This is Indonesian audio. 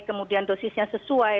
kemudian dosisnya yang sesuai